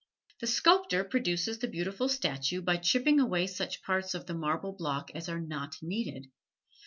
The sculptor produces the beautiful statue by chipping away such parts of the marble block as are not needed.